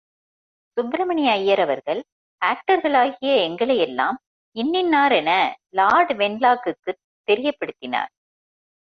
சுப்பிரமணிய ஐயர் அவர்கள், ஆக்டர்களாகிய எங்களையெல்லாம் இன்னின்னாரென லார்ட் வென்லாக்குக்குத் தெரியப்படுத்தினார்.